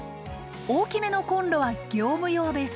大きめのコンロは業務用です。